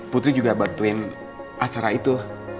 putu juga bantuin acara itu